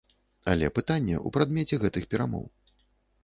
Але пытанне ў прадмеце гэтых перамоў.